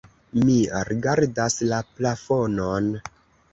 Mi rigardas la plafonon.